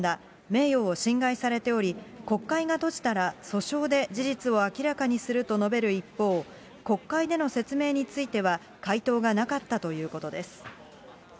名誉を侵害されており、国会が閉じたら訴訟で事実を明らかにすると述べる一方、国会での説明については、回答がなかったということです。